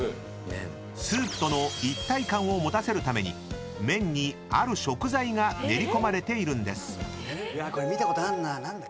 ［スープとの一体感を持たせるために麺にある食材が練り込まれているんです］